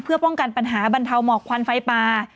เพื่อป้องกันปัญหาบรรเทาหมอกควันไฟป่า